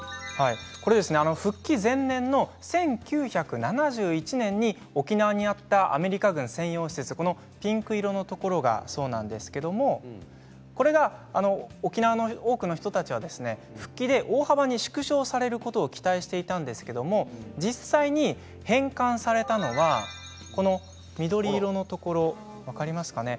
復帰前年の１９７１年に沖縄にあったアメリカ軍専用施設ピンク色のところがそうなんですけれどこれが沖縄の多くの人たちが復帰で大幅に縮小されることを期待していたんですけど実際に返還されたのはこの緑色のところ分かりますかね。